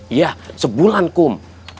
iya sebulan kum